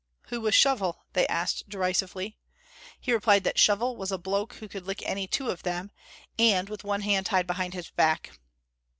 Who was Shovel? they asked derisively. He replied that Shovel was a bloke who could lick any two of them and with one hand tied behind his back.